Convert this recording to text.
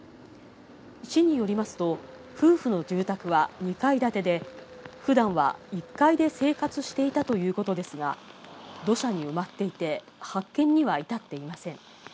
市によりますと夫婦の住宅は２階建てで、普段は１階で生活していたということですが、土砂に埋まっていて、発見には至っていません。